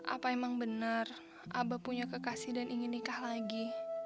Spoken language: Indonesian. apa emang benar abah punya kekasih dan ingin nikah lagi